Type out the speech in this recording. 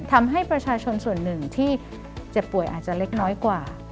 ทำให้ประชาชนส่วนหนึ่งที่เจ็บป่วยอาจจะเล็กน้อยกว่า